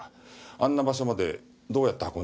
あんな場所までどうやって運んだんですか？